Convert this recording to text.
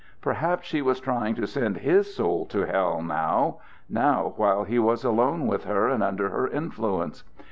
Perhaps she was trying to send his soul to hell now now while he was alone with her and under her influence.